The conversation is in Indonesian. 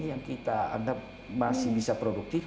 yang kita anggap masih bisa produktif